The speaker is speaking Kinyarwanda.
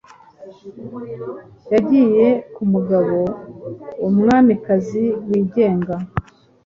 Yagiye kumugabo-umwamikazi wigenga